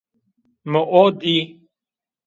Mi o dî